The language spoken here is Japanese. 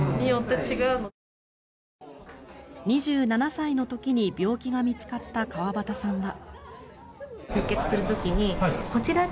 ２７歳の時に病気が見つかった川端さんは。